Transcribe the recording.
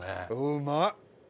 うまっ！